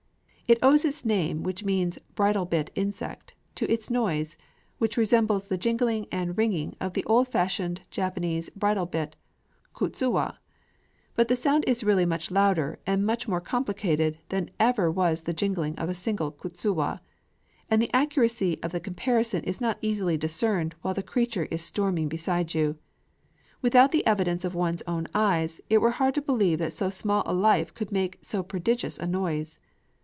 It owes its name, which means "The Bridle bit Insect," to its noise, which resembles the jingling and ringing of the old fashioned Japanese bridle bit (kutsuwa). But the sound is really much louder and much more complicated than ever was the jingling of a single kutsuwa; and the accuracy of the comparison is not easily discerned while the creature is storming beside you. Without the evidence of one's own eyes, it were hard to believe that so small a life could make so prodigious a noise.